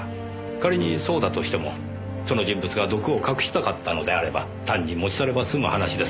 仮にそうだとしてもその人物が毒を隠したかったのであれば単に持ち去れば済む話です。